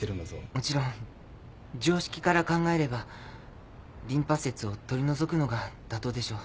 もちろん常識から考えればリンパ節を取り除くのが妥当でしょう。